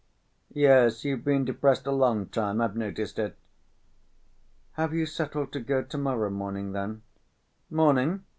"Yes, you've been depressed a long time, I've noticed it." "Have you settled to go to‐morrow morning, then?" "Morning?